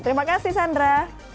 terima kasih sandra